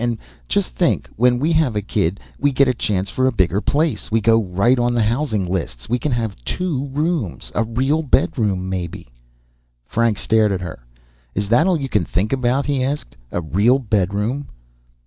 And just think, when we have a kid, we get a chance for a bigger place. We go right on the housing lists. We can have two rooms. A real bedroom, maybe." Frank stared at her. "Is that all you can think about?" he asked. "A real bedroom?"